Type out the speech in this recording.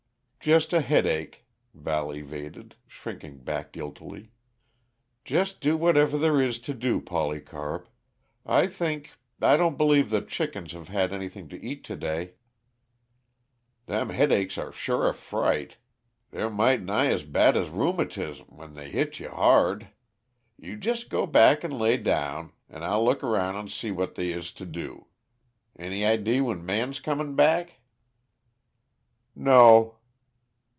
"Just a headache," Val evaded, shrinking back guiltily. "Just do whatever there is to do, Polycarp. I think I don't believe the chickens have had anything to eat to day " "Them headaches are sure a fright; they're might' nigh as bad as rheumatiz, when they hit you hard. You jest go back and lay down, and I'll look around and see what they is to do. Any idee when Man's comin' back?" "No."